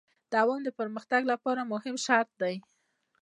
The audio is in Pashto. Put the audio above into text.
دوام د پرمختګ لپاره مهم شرط دی.